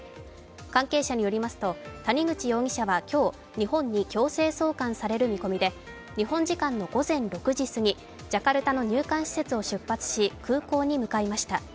関係者によりますと谷口容疑者は今日日本に強制送還される見込みで日本時間の午前６時すぎ、ジャカルタの入管施設を出発し空港に向かいました。